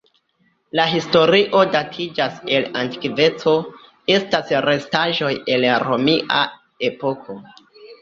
La historio datiĝas el antikveco, estas restaĵoj el romia epoko.